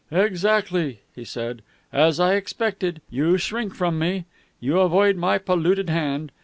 "Exactly!" he said. "As I expected! You shrink from me. You avoid my polluted hand.